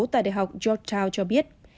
tại đại học georgetown cho biết